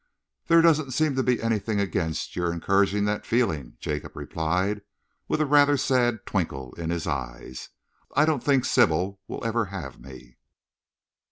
"There doesn't seem to be anything against your encouraging the feeling," Jacob replied, with a rather sad twinkle in his eyes. "I don't think Sybil will ever have me."